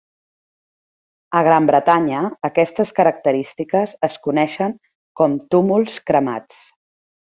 A Gran Bretanya, aquestes característiques es coneixen com "túmuls cremats".